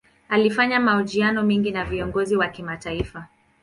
Alifanya mahojiano mengi na viongozi wa kimataifa.